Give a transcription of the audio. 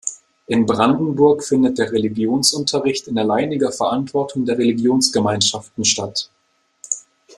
In Brandenburg findet der Religionsunterricht in alleiniger Verantwortung der Religionsgemeinschaften statt.